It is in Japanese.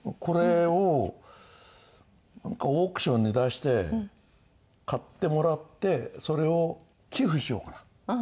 これをオークションに出して買ってもらってそれを寄付しようかな。